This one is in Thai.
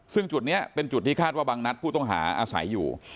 ซึ่งจุดนี้เป็นจุดที่คาดว่าบางนัดผู้ต้องหาอาศัยอยู่